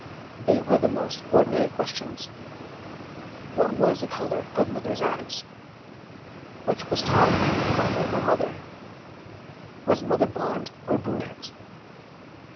They were the most ordinary questions—"What was the colour of Mother's eyes? Which was taller, Father or Mother? Was Mother blonde or brunette?